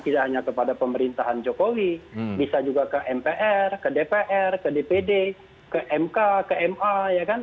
tidak hanya kepada pemerintahan jokowi bisa juga ke mpr ke dpr ke dpd ke mk ke ma ya kan